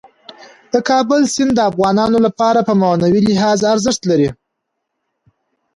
د کابل سیند د افغانانو لپاره په معنوي لحاظ ارزښت لري.